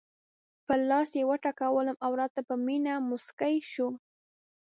پر لاس یې وټکولم او راته په مینه مسکی شول.